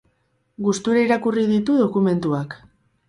Gustura irakurri ditu dokumentuak.